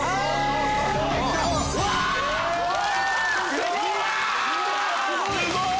すごい！